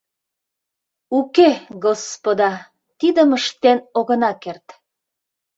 Уке, господа, тидым ыштен огына керт.